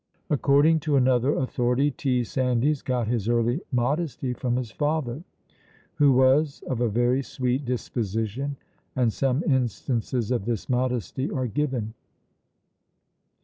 '" According to another authority, T. Sandys got his early modesty from his father, who was of a very sweet disposition, and some instances of this modesty are given.